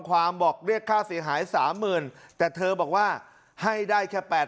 ความบอกเรียกค่าเสียหาย๓๐๐๐แต่เธอบอกว่าให้ได้แค่๘๐๐